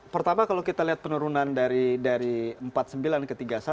pertama kalau kita lihat penurunan dari empat puluh sembilan ke tiga puluh satu